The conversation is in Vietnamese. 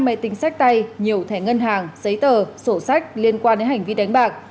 máy tính sách tay nhiều thẻ ngân hàng giấy tờ sổ sách liên quan đến hành vi đánh bạc